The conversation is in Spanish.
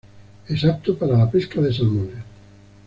Es apto para la pesca de salmones.